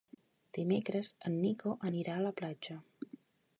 Dimecres en Nico anirà a la platja.